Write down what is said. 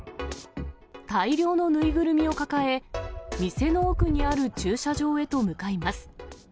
大量の縫いぐるみを抱え、店の奥にある駐車場へと向かいます。